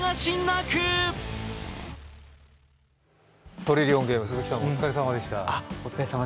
「トリリオンゲーム」、鈴木さん、お疲れさまでした。